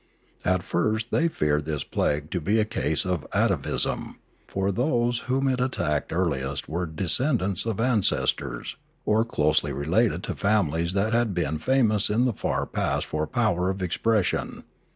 At first they feared this plague to be a case of atavism; for those whom it attacked earliest were descendants of ancestors, or closely related to families, that had been famous in the far past for power of expression.